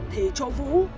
thế chỗ vũ